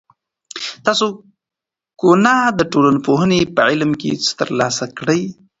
تاسو کونه د ټولنپوهنې په علم کې څه تر لاسه کړي؟